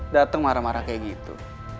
datang marah marah kayak gitu